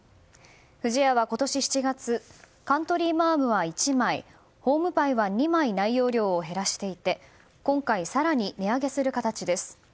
不二家は今年７月カントリーマアムは１枚ホームパイは２枚内容量を減らしていて今回、更に値上げする形です。